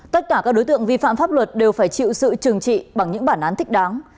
tất cả các đối tượng vi phạm pháp luật đều phải chịu sự trừng trị bằng những bản án thích đáng